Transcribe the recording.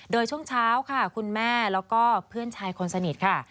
โดยช่วงเช้าค่ะคุณแม่แล้วก็เพื่อนชายคนสนิทค่ะ